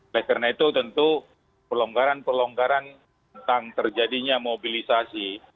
karena itu tentu pelonggaran pelonggaran tentang terjadinya mobilisasi